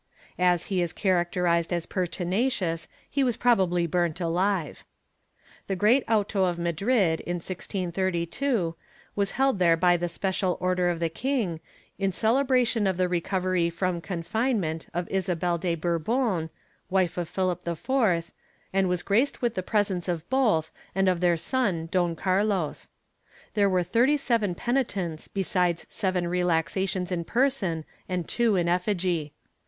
As he is characterized as pertinacious he was probably burnt alive. ^ The great auto of Madrid, in 1632, was held there by the special order of the king, in celebration of the recovery from confinement of Isabelle de Bourbon, wife of Philip IV, and was graced with the presence of both and of their son Don Carlos. There were thirty seven penitents besides seven relaxations in person and two in effigy.